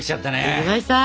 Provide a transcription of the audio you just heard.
出来ました！